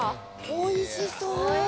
おいしそう。